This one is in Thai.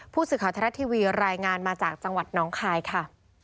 ผู้สื่อข่าวไทยรัฐทีวีรายงานมาจากจังหวัดน้องคายค่ะ